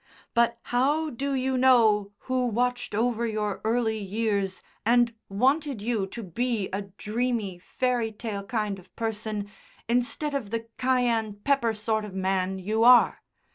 "But how do you know who watched over your early years and wanted you to be a dreamy, fairy tale kind of person instead of the cayenne pepper sort of man you are.